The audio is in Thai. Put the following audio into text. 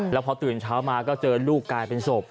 แล้วพอตื่นเช้ามาก็เจอลูกกลายเป็นศพ